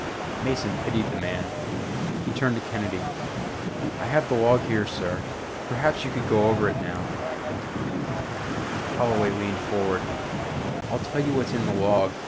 _" Mason pitied the man. He turned to Kennedy. "I have the log here, sir. Perhaps you could go over it now " Holloway leaned forward. "I'll tell you what's in the log.